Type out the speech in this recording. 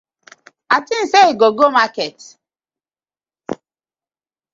A tink sey you go market.